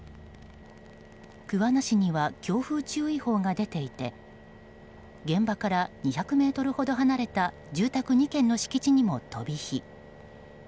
桑名市には強風注意報が出ていて現場から２００ｍほど離れた住宅２軒の敷地にも飛び火。